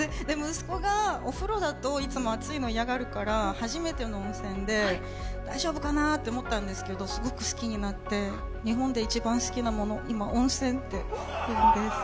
息子がお風呂だと、いつも熱いの嫌がるから初めての温泉で、大丈夫かなって思ったんですけどすごく好きになって、日本で一番好きなものは今、温泉って言ってます。